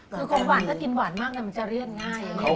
คือของหวานถ้ากินหวานมากมันจะเลื่อนง่าย